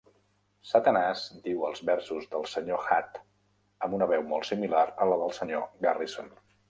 Satanàs diu els versos del Sr. Hat amb una veu molt similar a la del Sr. Garrison.